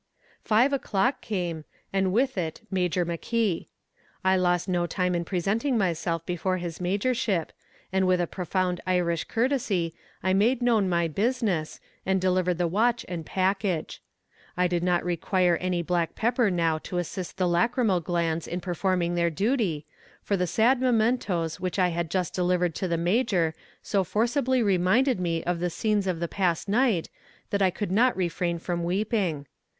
Five o'clock came, and with it Major McKee. I lost no time in presenting myself before his majorship, and with a profound Irish courtesy I made known my business, and delivered the watch and package. I did not require any black pepper now to assist the lachrymal glands in performing their duty, for the sad mementoes which I had just delivered to the major so forcibly reminded me of the scenes of the past night that I could not refrain from weeping.